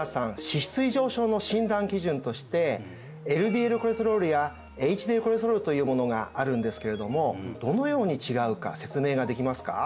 脂質異常症の診断基準としてＬＤＬコレステロールやＨＤＬコレステロールというものがあるんですけれどもどのように違うか説明ができますか？